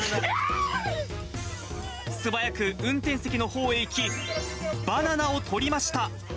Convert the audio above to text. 素早く運転席のほうへ行き、バナナをとりました。